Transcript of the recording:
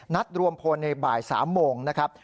นัดรวมพลในบ่าย๓โมงนะครับ